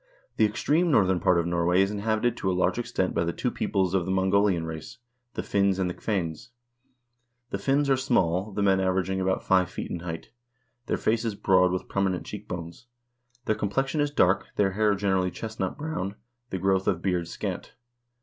1 The extreme northern part of Norway is inhabited to a large extent by two peoples of Mongolian race, the Finns 2 and the Kvsens. The Finns are small, the men averaging about five feet in height. Their face is broad, with prominent cheek bones. Their complexion is dark, their hair generally chestnut brown, the growth of beard scant.